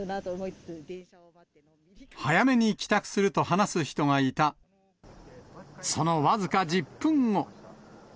早めに帰宅すると話す人がいた、その僅か１０分後。